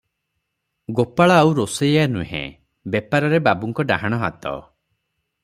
ଗୋପାଳ ଆଉ ରୋଷେଇୟା ନୁହେଁ, ବେପାରରେ ବାବୁଙ୍କ ଡାହାଣ ହାତ ।